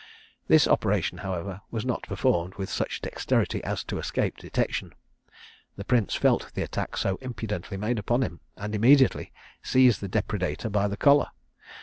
This operation, however, was not performed with such dexterity as to escape detection. The prince felt the attack so impudently made upon him, and immediately seized the depredator by the collar.